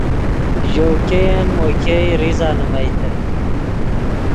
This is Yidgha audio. ژؤ ګئین مو ګئے ریزہ نیمئیتے